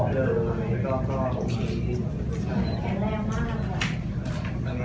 พี่ออกเป็นไงนะคะมีความน้ำนมอะไรอย่างนี้ค่ะ